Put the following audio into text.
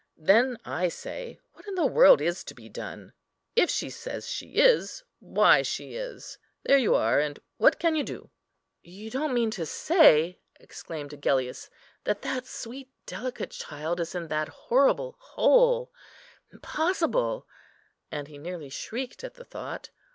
Then, I say, what in the world is to be done? If she says she is, why she is. There you are; and what can you do?" "You don't mean to say," exclaimed Agellius, "that that sweet delicate child is in that horrible hole; impossible!" and he nearly shrieked at the thought.